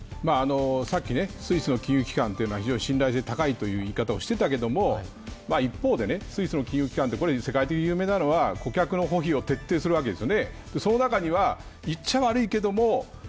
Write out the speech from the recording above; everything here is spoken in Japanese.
さっき、スイスの金融機関は非常に信頼性が高いということを言っていたけど一方でスイスの金融機関って世界的に有名なのは、顧客の情報を保持するわけです。